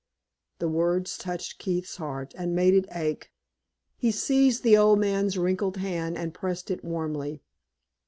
The words touched Keith's heart, and made it ache. He seized the old man's wrinkled hand and pressed it warmly.